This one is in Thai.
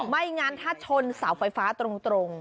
ไม่งั้นถ้าชนเสาไฟฟ้าตรง